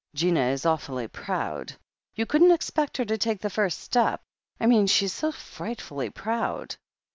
"Gina is awfully proud. You couldn't expect her to take the first step. I mean, she's so frightfully proud."